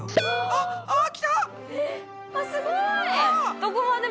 あっすごい！